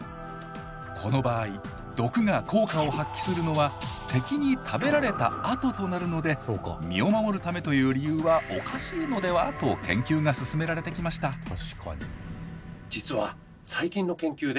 この場合毒が効果を発揮するのは敵に食べられたあととなるので身を守るためという理由はおかしいのではと研究が進められてきましたえっ